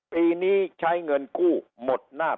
ปีนี้ใช้เงินกู้หมดหน้า